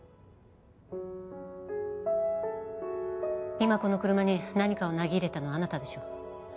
今この車に何かを投げ入れたのあなたでしょ？